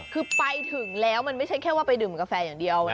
คือไปถึงแล้วมันไม่ใช่แค่ว่าไปดื่มกาแฟอย่างเดียวนะ